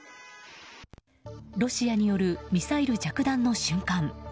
ロシアによるミサイル着弾の瞬間。